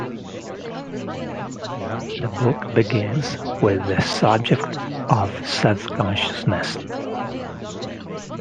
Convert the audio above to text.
The book begins with the subject of self-consciousness.